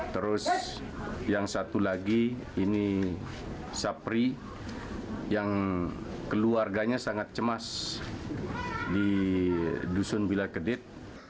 terus yang satu lagi ini sapri yang keluarganya sangat cemas di dusun bila kedit